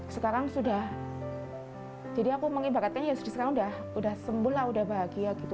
sekarang sudah jadi aku mengibaratnya ya sudah sembuh lah sudah bahagia gitu